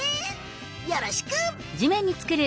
よろしく！